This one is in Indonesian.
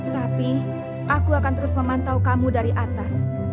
tapi aku akan terus memantau kamu dari atas